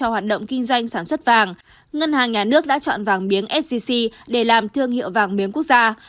hoạt động kinh doanh sản xuất vàng ngân hàng nhà nước đã chọn vàng miếng sgc để làm thương hiệu vàng miếng quốc gia